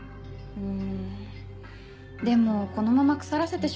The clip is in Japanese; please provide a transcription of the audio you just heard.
うん。